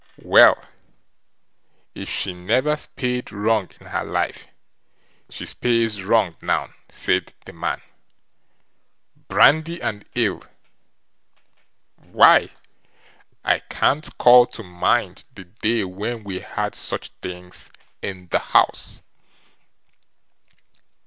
"Well! if she never spaed wrong in her life, she spaes wrong now", said the man. "Brandy and ale! why, I can't call to mind the day when we had such things in the house!"